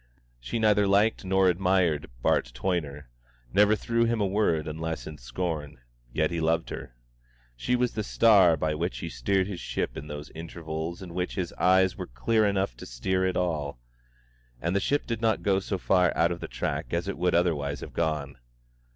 She neither liked nor admired Bart Toyner, never threw him a word unless in scorn; yet he loved her. She was the star by which he steered his ship in those intervals in which his eyes were clear enough to steer at all; and the ship did not go so far out of the track as it would otherwise have gone.